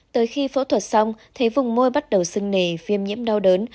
tới khi phẫu thuật xong thấy vùng môi bắt đầu sưng nề viêm nhiễm đau đớn